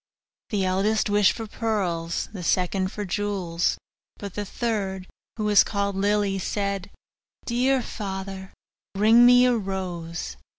The eldest wished for pearls; the second for jewels; but the third, who was called Lily, said, 'Dear father, bring me a rose.